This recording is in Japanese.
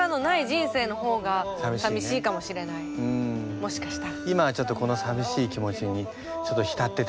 もしかしたら。